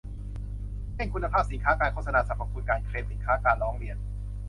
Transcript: เช่น คุณภาพสินค้า การโฆษณาสรรพคุณ การเคลมสินค้า การร้องเรียน